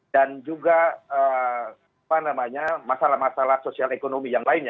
dan juga masalah masalah sosial ekonomi yang lainnya